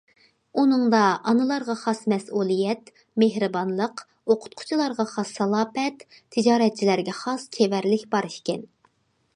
ئۇنىڭدا ئانىلارغا خاس مەسئۇلىيەت، مېھرىبانلىق، ئوقۇتقۇچىلارغا خاس سالاپەت، تىجارەتچىلەرگە خاس چېۋەرلىك بار ئىكەن.